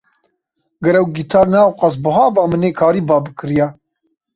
Ger ew gîtar ne ew qas buha ba, min ê karîba bikiriya.